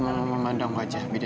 bahkan orang orang yang melaburi kita